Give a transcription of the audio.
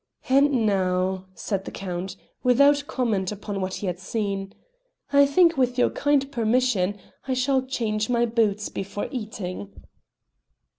"And now," said the Count, without comment upon what he had seen, "I think, with your kind permission, I shall change my boots before eating.